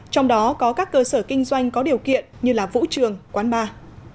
trong đó có các cơ sở kinh doanh có điều kiện như vũ trường quán bar